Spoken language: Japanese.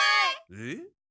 えっ？